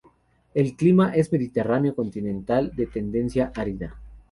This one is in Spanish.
El clima es mediterráneo continental de tendencia árida.